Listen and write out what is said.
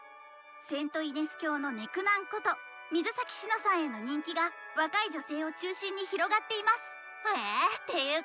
聖イネス教のネクナンこと水崎紫乃さんへの人気が若い女性を中心に広がっています